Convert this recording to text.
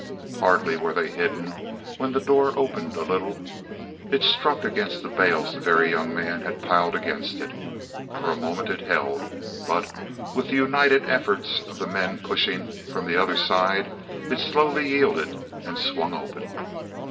Hardly were they hidden when the door opened a little. It struck against the bales the Very Young Man had piled against it. For a moment it held, but with the united efforts of the men pushing from the other side, it slowly yielded and swung open.